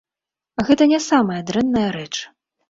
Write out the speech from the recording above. Гэта не самая дрэнная рэч.